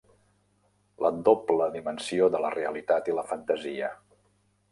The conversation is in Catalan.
La doble dimensió de la realitat i la fantasia.